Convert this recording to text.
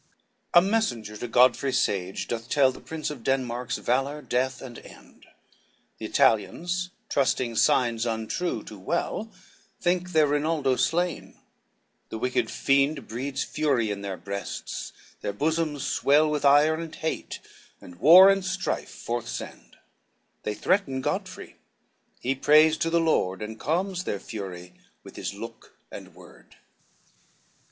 A messenger to Godfrey sage doth tell The Prince of Denmark's valour, death and end: The Italians, trusting signs untrue too well, Think their Rinaldo slain: the wicked fiend Breeds fury in their breasts, their bosoms swell With ire and hate, and war and strife forth send: They threaten Godfrey; he prays to the Lord, And calms their fury with his look and word.